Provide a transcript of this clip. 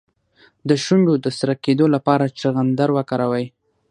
د شونډو د سره کیدو لپاره چغندر وکاروئ